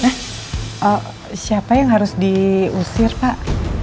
nah siapa yang harus diusir pak